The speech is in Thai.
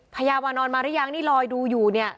พญาวานอนมาหรือยังนี่ลอยดูอยู่เนี่ย